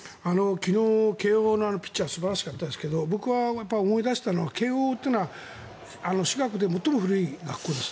昨日、慶応のピッチャー素晴らしかったですが僕は思い出したのは慶応というのは私学で最も古い学校です。